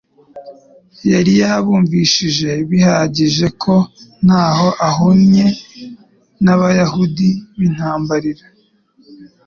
yari yabumvishije bihagije ko ntaho ahunye n'Abayuda b'intababarira.